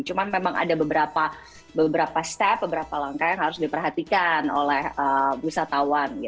cuma memang ada beberapa step beberapa langkah yang harus diperhatikan oleh wisatawan